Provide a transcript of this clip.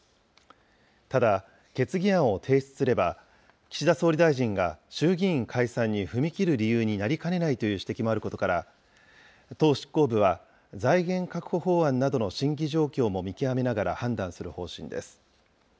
ただ、決議案を提出すれば、岸田総理大臣が衆議院解散に踏み切る理由になりかねないという指摘もあることから党執行部は、財源確保法案などの審議状況も見極めながら判断する方針です。